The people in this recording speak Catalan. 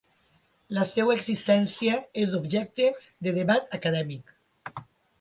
La seva existència és objecte de debat acadèmic.